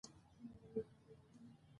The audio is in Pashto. په افغانستان کې د مېوې تاریخ اوږد دی.